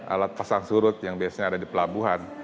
alat pasang surut yang biasanya ada di pelabuhan